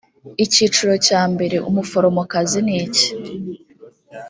icyiciro cya mbere umuforomokazi niki